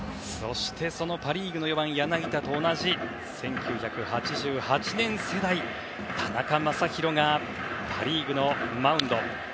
パ・リーグの４番柳田と同じ１９８８年世代田中将大がパ・リーグのマウンド。